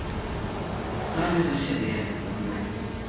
Самі за сябе, адны.